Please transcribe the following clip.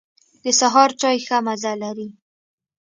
د سهار چای ښه مزه لري.